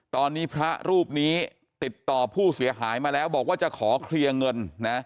ตอนนี้พระรูปนี้ติดต่อผู้เสียหายมาแล้วบอกว่าจะขอเคลียร์เงินนะ